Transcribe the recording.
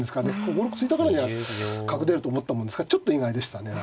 ５六歩突いたからには角出ると思ったもんですからちょっと意外でしたね。